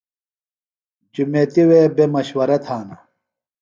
جُمیتیۡ وے بےۡ مشورہ تھانہ۔